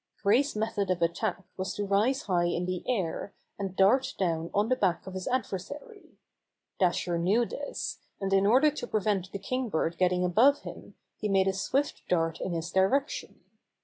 Gray's method of attack was to rise high in the air, and dart down on the back of his ad versary. Dasher knew this, and in order to prevent the Kingbird getting above him he made a swift dart in his direction.